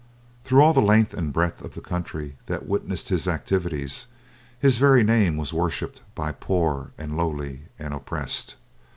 Through all the length and breadth of the country that witnessed his activities, his very name was worshipped by poor and lowly and oppressed.